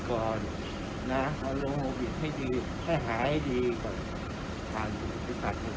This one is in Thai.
คือ๕๖ตำแหน่งที่เค้าพิษัทธานการณ์ว่าก็ไม่เป็นตามนั้นใช่ไหมนั่นหรอ